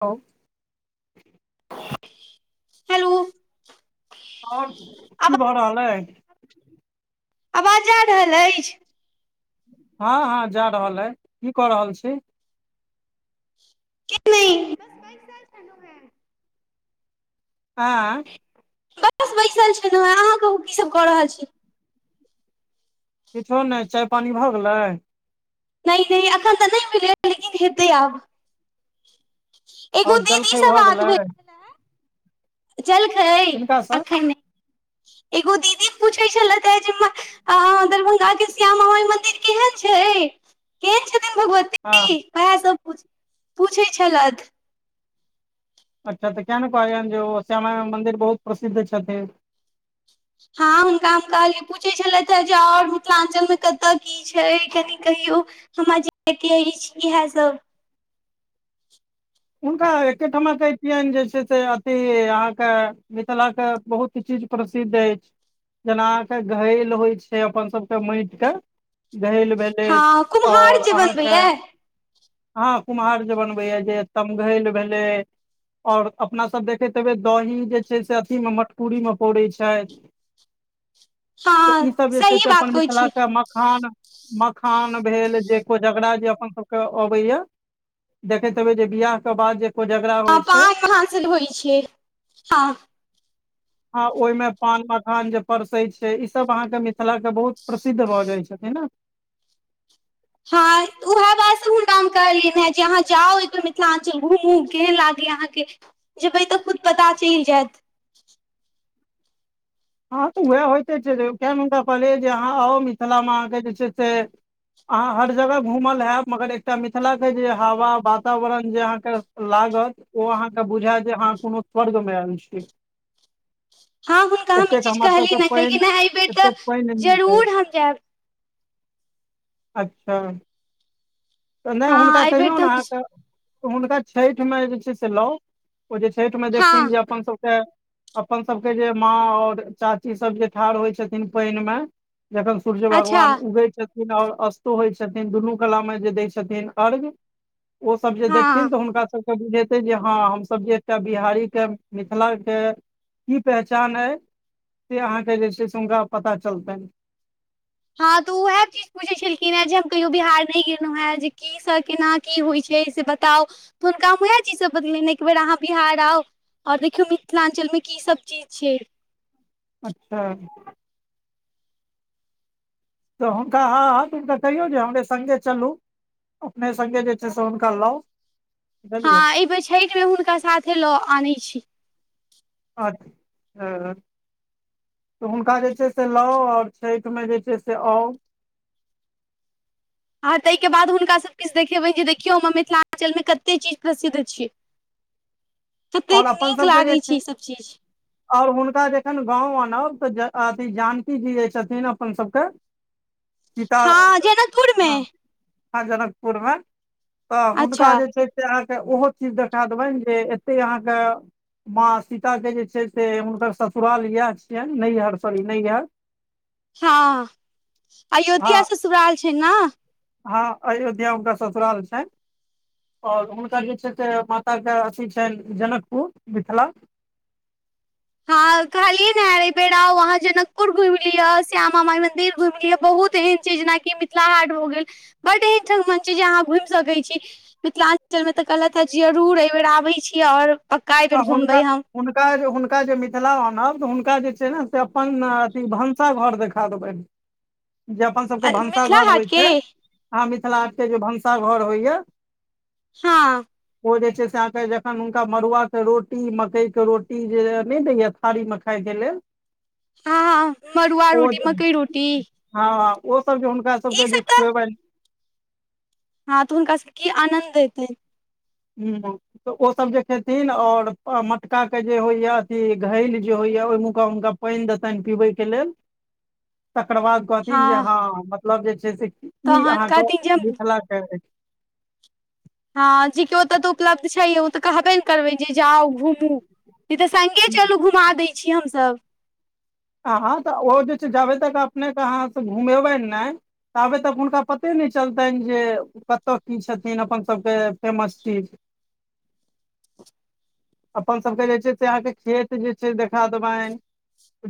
औ हेलो। आओर की आवाज भऽ रहल अय आवाज जा रहल अछि। हँ हँ जा रहल अइ की कऽ रहल छी। [unintelligible] नै दस पाँच साल च ह हँ। बस बैसल छलौं हें अहाँ कहू की सभ कऽ रहल छी। किछो नय चाय पानि भऽ गेलै। नय नय एखन तऽ नै भेलैये लेकिन हेतै आब। एगो आओर दीदी जलखै सँ भऽ बात गेलै भेलै जलखै किनकासँ अखन नय एगो दीदी पूछै छलैथ हे जे म आ दरभंगा के श्यामा माइ मन्दिर केहन छै? केहन छथिन भगवती। हँ। ती वैहे सब पूछै छलथि। अच्छा तऽ किये ने कहलियै हनजे ओ श्यामा माइ मन्दिर बहुत प्रसिद्ध छथिन। हँ हुनका हम कहलियै पूछैत छलथि। हेँ जे आओर मिथिलाञ्चलमे कतऽ की छै। कनि कहियौ हमर [unintelligible] अछि इहे सब। हुनका एकेठमा कहितियनि जे छै से अथि अहाँके मिथिलाके बहुत चीज प्रसिद्ध अछि जेना अहाँके घैल होइ छै। अपन सबके माटिके घैल भेलै हँ कुम्हार आओर जे अहाँके बनबैये हँ कुम्हार जे बनबै ये जे तमघैल भेलै। ओर अपना सब देखैत हेबे दही जे छै। से अथी मे मटकूरी मे पौड़ै छै। हँ तऽ ईसभ जे छै। सही से बात अपन कहै छी मिथिलाके मखान मखान भेल जे कोजगरा जे अपन सब के अबे या देखैत हेबे जे बिियाह के बाद जे कोजगरा हँ होइ छै पइ कहाँ से धोइ छ। हँ हँ ओहिमे पान मखान जे परसैत छै। ईसभ अहाँके मिथिला के बहुत प्रसिद्ध भऽ जाइत छथि। ने हँ उह बात हुनकाम कहलियनि हे जे अहाँ जाउ एो मिथिलाञ्चल घुमू केहन लागी। अहाँके जेबै तऽ खुद पता चलि जायत। हँ तऽ उएह होइते छैौ। कए हुनका कहलियै जे अहाँ आउ मिथिलामे अहाँकेँ जे छै। से अहाँ हर जगह घूमल हयब मगर एकटा मिथिला के जे हवा वातावरण जे अहाँके लागत। ओ अहाँके बुझायत जे अहाँ कोनो स्वर्ग में आयल छी। हँ हुनका हम ई एतेक चीज हमर कहलियनि सबके हेँ पानि कहलियनि हेँ एहि बेर तऽ एतेक पानि मिलतै। जरूर हम जायब अच्छा। तऽ नहि हुनका हँ एहि बेर कहियौ ने तऽ अहाँके हुनका छठिमे जे छै। से लाउ ओ जे छठिमे। हम देखथिन हँ जे अपन सबके अपन सभके जे माँ आऔर चाची सब जे ठाढ़ होइ छथिन। पानि मऽ जखन सूर्य अच्छा भगवान उगै छथिन। और अस्तो होय छथिन। दुनू कला मे जे द छथिन। अर्ग ओ सब जे हँ देखथिन तऽ हुनका सब बुझेते जे हँ हमस जे एकटा बिहारी के मिथिलाके की पहचान हइ से अहाँके जे छै। से हुनका पता चलतनि हँ तऽ ओ उएह चीज पूछैत छलखिन। हेँ जे हम कहियो बिहार नहि गेलहुँ हेँ जे की से केना की होइ छै। से बताउ तऽ हुनका हम उएह चीज सब बतेलिय एक बेेर अहाँ बिहार आउ और देखियौ मिथिलाञ्चल मऽ की सब चीज छै। अच्छा। तऽ हुनका हँ हँ तऽ हुनका कहियौ जे हमरे सङ्गे चलू। अपने संगे जे छै। से हुनका लाउ बुझलियै हँ एहि बेर छठिमे। हुनका साथे लऽ आनै छी। अच्छा तऽ हुनका जे छै। से लाउ आओर छठि मऽ जे छै। से आउ हँ ताहिके बाद हुनकासभ किछु देखेबनि जे देखियौ हमर मिथिलाञ्चलमे कतेक चीज प्रसिद्ध छिय। आओर अपन सभके जे लागै छै। ई सब चीज आओर हुनका जखन गाँंव आनब तऽ अथि जानकी जी जे छथिन। अपन सभके सीता हँ जनकपुरमे हँ। जनकपुरमे तऽ हुनका अच्छा जे छै। से अहाँके ओहो चीज देखा देबनि जे एते अहाँके माँ सीता के जे छै। से हुनकर ससुराल इएह छियनि। नेहियर सॉरी नेहियर [inaudible] हँ अयोध्या ससुराल छै। नऽ हँ अयोध्या हुनका ससुराल छैयन। आओर हुनका जे छै। से माता के अथी छनि। जनकपुर मिथिला हँ कहलियै ने हर बेेरा वहाँ जनकपुर घुमि लिअ, श्यामा माई मंदिर घुम लिअ। बहुत एहन जेनाक मिथिला हाट भऽ गेल बड एहनठ मं छै जे अहाँ घुमि सकैत छी। मिथिलाञ्चलमे तऽ कहलैत है जरूर एहिबेर आबैत छी आओर पक्का एहि त बेर हुनका घुमबै हम हुनका जे हुनका जे मिथिला आनब तऽ हुनका जे छै नऽ से अपन अथी भनसा घर देखा देबय। जे अपन सभके मिथिला भनसाघर हाट होइ के छैय अह मिथिलाट के जे भनसा घर होइया हँ ओ जे छैय से अहाँके जखन हुनका मरुआ रोटी मकई के रोटी जे नहि दैया थारी मऽ खाय के लेल। हँ हँ मड़ुआ ओ रोटी मकइ रोटी। हँ ओ सब जे हुनका ई सबके जे सब तऽ खूयेबनि हँ तऽ हुनका सब की आनन्द एतै। हू तऽ ओसभ जे खेथिन आओर मटकाके जे होइएा अथी घैल जे होइए ओहि मु कऽ हुनका पानि देताान पीबे कऽ लेल तकर बाद कहथिन जे हँ मतलब जे छैय से ई तहन अहाँके कहथिन जे हम मिथिला के। हँ जेकि ओतय तऽ उपलब्ध छैय ओ तऽ कहबे ने करबै जे जाउ घूमू। नइ तऽ सङ्गे चलू घुमा दै छी हमसभ। आ ह तऽ ओ जे छैय जाबे तक अपनेके अहाँ सऽ घुमेबै नहि ताबे तक हुनका पते नहि चलतनि जे कतय की छथिन अपन सभके फेमस चीज। अपन सबके जे छैय से अहाँके खेत जे छैय देखा देबइन।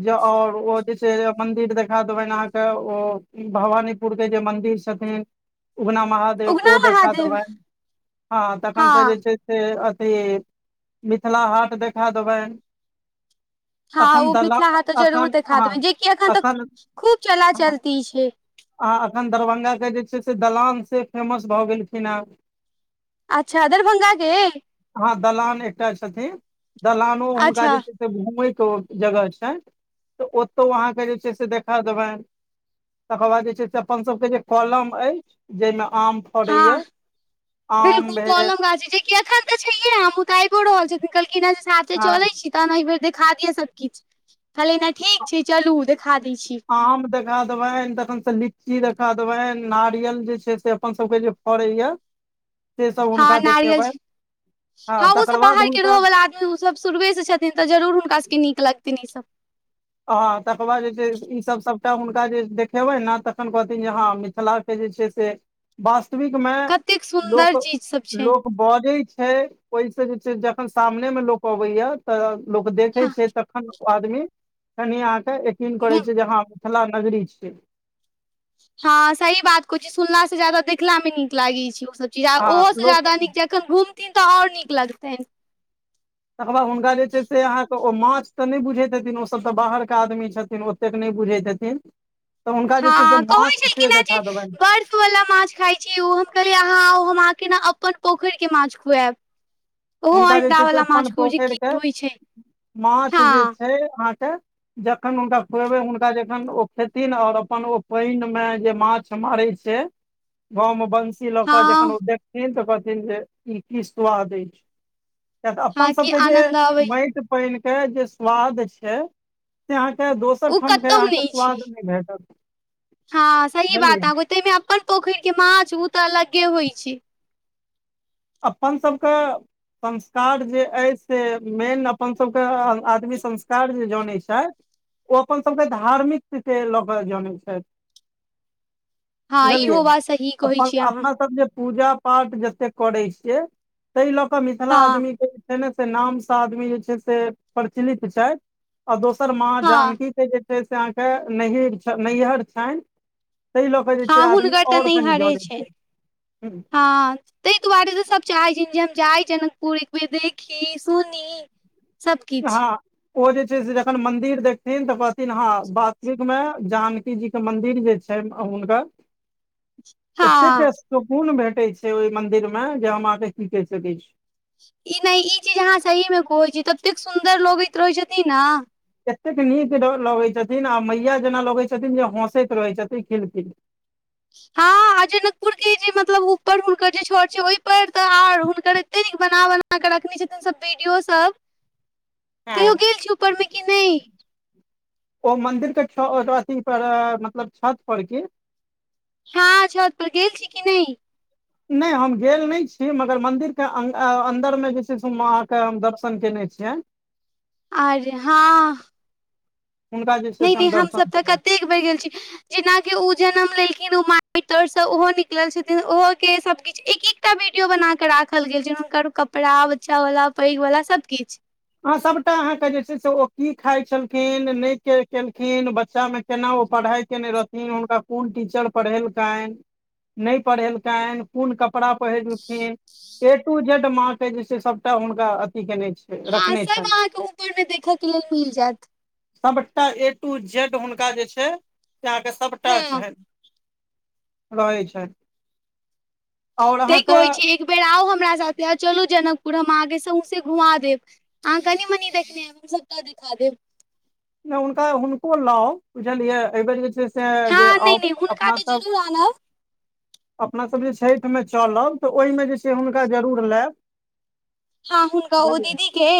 जे और ओ जे छैेय मंदिर देखा देबनि अहाँके ओ भवानी पुर के जे मंदिर छथिन उगना महा देव उगना ओ देखा महादेव देबनि हँ तखन तऽ हँ जे छैय से अथी मिथिला हाट देखा देबनि। हँ अखन ओ दला मिथिला हाट तऽ जरूर अखन देखा हँ देबै जेकि एखन तक अखन खूब चला चलती छैय। आ एखन दरभंगा के जे छैय से दलान से फेमस भऽ गेलखिन हेँ। अच्छा दरभंगा के। हँ दलान एकटा छथिन दलानो हुनका अच्छा जे छैय घुमय कऽ उऽ जगह छैय तऽ ओतौ अहाँके जे छैय से देखा देबनि। तकर बाद जे छैय से अपन सबके जे कलम अछि जेहिमे आम फड़ैया हँ आम बिलकुल भेल कोलम गाजी जेकी अथन तऽ छैये हम उताइ भ रहल छी कहलखिन से साथे हँ चलै छी तहन एहि बेर देखा दिअ सब कििछ कहलै ने ठीक छै य चलू देखा दै छी। आम देखा देबनि तखन से लीची देखा देबनि नारियल जे छैय से अपन सबके जे फरइय। हँ नारियल छैय हँ ओ सब तकर बाद बाहर के हुनका रहवला ओसभ शुरुे से छथिन तऽ जरूर हुनका सबके नीक लगतन ईसभ। ह तकर बाद जे छैय ईसभ सबटा हुनका जे देखेबै नऽ तखन कहथिन जे ह मिथिला जे छैय से वास्तविकमे कतेक सुन्दर लोक चीज सब छै लोक बजै छैय ओहिसँ जे छैय जखन सामने मऽ लोक अबैया तऽ लोक देखै छैय तखन ओ आदमी कनि अहाँ के यकीन हँ करे छै लय जे हहाँ मिथिला नगरी छियै। हँ सही बात कहैत छी सुनलासँ ज्यादा देखलामे नीक लागैत छैय ओसभ चीज आ ओहोसँ ज्यदा नीक खन घुमथिन तऽ आओर नीक लगतनि। तकर बाद हुनका जे छै से अहाँके ओ माछ तऽ नहि बुझैत छथिेन ओसभ तऽ बाहरके आदमी छथिन। एतेक नहि बुझैत हथिन हँ कहै छलखिन कि नहि जे देखा देबनि बर वालला माछ खााय छी ओ हम कहल अहाँ आउ हमके ने अपन पोखरि के माछ खुएब। हुनका जे छैय सऽ अपन जे पोखरि की के होइ छै माछ जे हँ छैय अहाँके जखन हुनका खुएबै हुनका जखन ओ खेथिन और अपन ओ पानि मे जे माछ मारै छै। गाँव मऽ बंशी लगता जखन हँ ओ देखथिन तऽ कहथिन जे ई की स्वाद अछि। कि तऽ अपन हँ की सबके जे आनन्द अबै माटि पान के जे स्वाद छै से अहाँके दोस ओ सबठाम कतहु अहाँके नहि छै स्वाद नहि भेटत हँ सही बुझलियै बात आग तामे अपन पोखरि के माछ ओ तऽ अलगे होइ छै। अपन सभके संस्कार जे अछि से मेन अपन सभके आदमी संस्कार जे जनैत छैथ। ओ अपन सभके धार्मिक लऽ कऽ जानेत छथि। हँ बुझलियै इहो बात सही कहै छी अहाँ अपना सब जे पूजा पाठ जते करै छियै ताहि लऽ कऽ मिथिला हँ आदमी के छै ने से नाम से आदमी जे छै से प्रचलित छथि आ दोसर माँ हँ जानकी जे छै से अहाँके नैर नैहर छनि ताहि लऽ कऽ जे छै हँ आदमी हुनकर तऽ आओर कनि नैहरे जलैत छनि छै ह हँ ताहि दुआरे तऽ सभ चाहैत छथि जे हम जाइ जनकपुर एकबेर देखी सुनी। सबकिछ हँ ओ जे छै से जखन मंदिर देखथिन तऽ कहथिन हँ वासिक में जानकी जी के मंदिर जे छै। छैन हुनकर एतेक हँ सुकून भेटैत छै ओहि मंन्दिर मे जे हम अहाँके की कहि सकै छी। ई नहि ई चीज अहाँ सही मे कहै छी ततेक सुन्दर लगैत रहैत छथिन नऽ एतेक नीक लगैत छथिन आ मैया जेना लगै छथिन जे हँसैत रहै छथिन खिलखिल। हँ जनकपुर के जे मतलब ऊपर हुनकर जे छड़ छै ओहि पर तऽ आर हुनकर एते नीक बनावन बना कऽ रखने छथिन सब बीडी ओ सब [inaudible] कहियओ गेल छी ऊपरमे कि नहि। ओ मंदिर केथी पर मतलब छत पर की हँ छत पर गेल छी कि नहि। नहि हम गेल नहि छी मगर मन्दिरके अन्दरमे जे छै से हम अहाँकेँ हम दर्शन कयने छियनि। [inaudible] [unintelligible] हँ हुनका जे छै नहि से नहि हम हमसभ दर्शन तऽ केने छी। कतेक बेर गेल छी। जेनाकि ओ जनम लेलखिन ओ माइट तरसँ ओहो निकल छथिन ओहोोक के सब किछ एक एक एकटा वीडियो बना कऽ राखल गेल छै हुनकर कपड़ा बच्चा वाला पैघ वाला सब किछु। अ सभटा अहाँके जे छै से ओ की खाइत छलखिन नहि केलखिन बच्चामे केना ओ पढ़ाई केने रहथिन हुनका कोन टीचर पढ़ेलकनि। नहि पहिेलकनि कोन कपड़ा पहिरलखिन। ए टू जेड माँ के जे छै सबटा हुनका अथी केने छै। हँ रखने सब छनि अहाँके ऊपर मे देखय के लेल मिल जायत। सभटा ए टू जेड हुनका जे छै से अहाँके सभटा हँ छनि। रहै छैन। तैं कहै छीय एक बेेर आउ हमरा साथे चलू जनकपुर हम अहाँके सस घुमा देब। अहाँ कनि मनी देखने हब हम सबटा देखा देब। नय हुनका हुनको लाउ बुझलियै एहि बेर जे छै से से हँ जे आ नहि नहि हुनका अपना तऽ सब जरूर आनब अपना सभ जे छठि मे चलब त ओहिमे जे छै हुनका जरूर लायब हँ हुनका ओ बुझलियै दीदीे के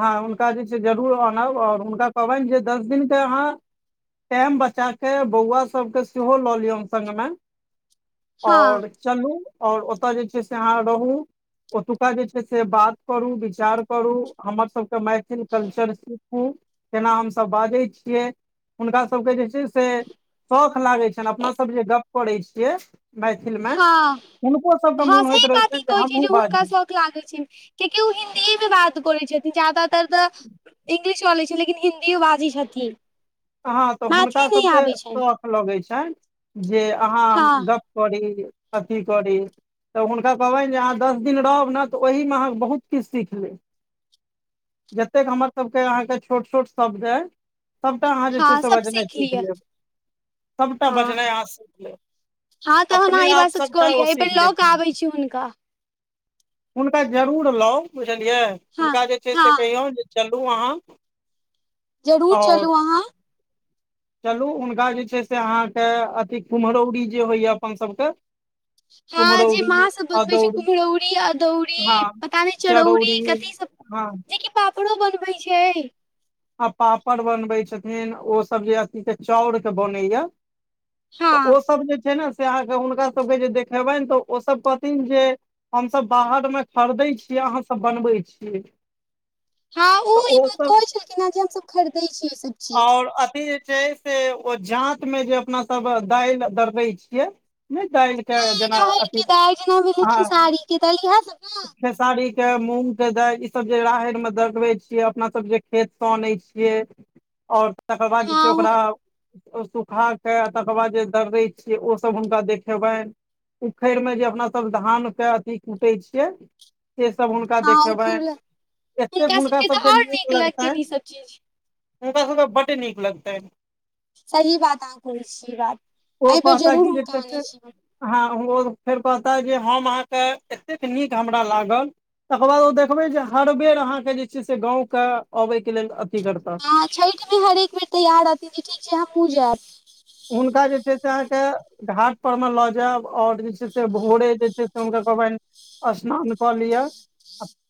हँ हुनका जे छै जरूर आनब आ ओर हुनका कहबनि जे दस दिन के अहाँ टाइम बचा के बौआ सब के सेहो ल लिय संगग में हँ और चलू और ओतय जे छै से अहाँ रहू। ओतुका जे छै से बात करू विचार करू हमर सब मैथिल कलर सीखू तना हमस बाजै छियै हुनका सबके [unintelligible] से शौख लागै छनि अपना सब जे गप करै छियै मैथिल मे हँ हुनको सभ के हँ मोन होइत सही रहैत बात छाई ई जे कहै छी हमहु हुनका बाजू शौक लागै [unintelligible] कियाकि ओ हिन्दीए मे बात करै छथिन जादातर त इंग्लिश चले छै लेकिन हिन्दियो बाजै छथिन हँ त हुनका मैथिली नहि सबके आबै छनि शौख लगे छनि जे अहाँ हँ गप करी अथी करी त हुनका कहबनि जे अहाँ दस दिन रहब ने त ओहिमे अहाँ बहुत किछु सीख लेब जतेक हमर सब के अहााँके छोट छोट शब्द य सभटा अहाँ जे हँ छै से सब बजनाइ सीख लिअ लेब सभटा हँ बजनाइ अहाँ सीख लेब हँ तहन अपने अहाँ ई बात आप सच सबटा ओ कहलियै एहिबेर सीख लऽ कऽ जेथिन आबै छी हुनका हुनका जरूर लउ बुझलियै हँ हुनका जे छै हँ से कहियौ जे चलू अहाँ जरूर चलू आओर अहाँ चलू हुनका जे छै से अहाँके अथि कुम्हरौरी जे होइए अपन सभके हँ जे कुम्हरौरी माँ सभ बनबै छै अदौरी कुम्हरौरी हँ अदौरी पता नय चरौरी कथी सब हँ पापरो बनबै छै आ पापड़ बनबे छथिन ओ सब जे अथी के चाउर के बनैया हँ त ओ सभ जे छै ने से अहाँके हुनका सभके जे देखेबनि त ओ सभ कहथिन जे हम सभ बाहर मे खरीदै छीियै अहाँ सब बनबै छियै हँ ऊ तऽ ई बात ओसभ कहै छलखिन हँ जे हमसब खरीदे छीैई से और अथी जे छै से ओ जात मे जे अपना सब दाल दर्रे छियै नय दाल के हँ जेना राहैर अथी के दालि जेना भेलै ह [unintelligible] खेसारी के मूंग के दाल ई सब जे राहरि मे दगरो छियै अपना सब जे खेत से अनै छियै और तकर बाद जे छै हँ से हुन ओकरा औ सुखा के तकर बाद जे दर्रे छियै ओ सभ हुनका देखेबनि उखर मे जे अपना सभ धान के अथि कुटै छियै से सब हुनका हँ देखेबनि उखड़ एतेक हुनका तऽ सबके आओर नीक लगतनि लगतैन ई सब चीज हुनका सबके बड नीक लगतैन सही बात अहाँ कहै छी ई बात ओ ए बेर कहता जरूर कि जे हुनका कते आनै छी हँ ओ फेर कहता जे हम अहाँके एतेक नीक हमरा लागल तकर बाद ओ देखबे जे हर बेर अहाँ के जे छै से गाँंव के अबे के लेल अथी करता हँ [unintelligible] तैयार रहथिन जे ठीक छै हमहूँ जायब हुनका जे छै से अहाँके घाट पर मे ल जायब ओर जे छै से भोरे जे छै से हुनका कहबनि स्नान क लिअ